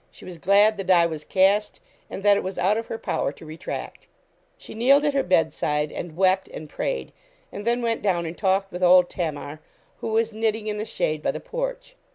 She was glad the die was cast, and that it was out of her power to retract. She kneeled at her bedside, and wept and prayed, and then went down and talked with old Tamar, who was knitting in the shade by the porch.